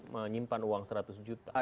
menyimpan uang seratus juta